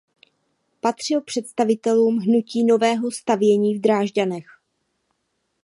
Patřil k představitelům hnutí Nového stavění v Drážďanech.